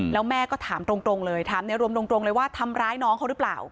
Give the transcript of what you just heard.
แล้วแม่ก็ถามตรงเลยถามในรวมตรงเลยว่าทำร้ายน้องเขาหรือเปล่า